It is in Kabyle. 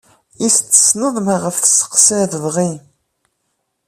Is tessend ma ɣef tseqsad dɣi?